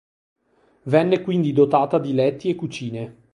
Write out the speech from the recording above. Venne quindi dotata di letti e cucine.